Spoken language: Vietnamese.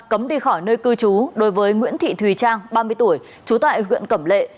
cấm đi khỏi nơi cư trú đối với nguyễn thị thùy trang ba mươi tuổi trú tại huyện cẩm lệ